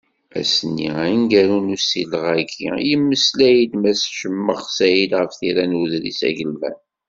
Ass-nni aneggaru n usileɣ-agi, yemmeslay-d Mass Cemmax Saɛid ɣef tira n uḍris agelman.